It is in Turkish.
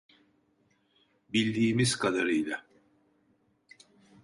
Bildiğimiz kadarıyla.